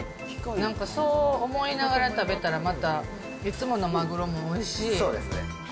なんかそう思いながら食べたらまた、いつものまぐろもおいしそうですね。